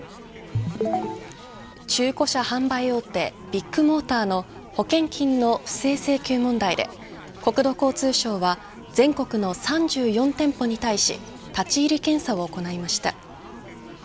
中古車販売大手ビッグモーターの保険金の不正請求問題で国土交通省は全国の３４店舗に対し立ち入り検査を行いました。